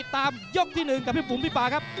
ตามยกที่หนึ่งกับพี่ปุ๋มพี่ป่าครับ